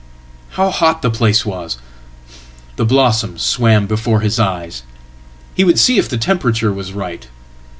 How hot theplace was! The blossoms swam before his eyes. He would see if the temperature was right.